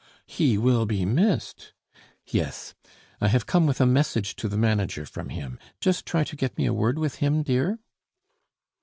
"He will be missed." "Yes. I have come with a message to the manager from him. Just try to get me a word with him, dear."